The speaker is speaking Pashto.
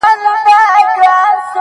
یو زلمی به په ویده قام کي پیدا سي-